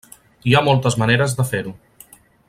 Hi ha moltes maneres de fer-ho.